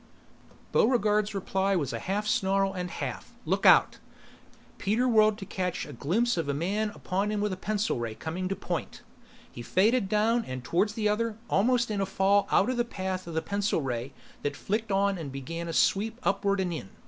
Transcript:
Buregarde's reply was half snarl and half, "Look out!" Peter whirled to catch a glimpse of a man upon him with pencil ray coming to point. He faded down and toward the other, almost in a fall out of the path of the pencil ray that flicked on and began a sweep upward and in.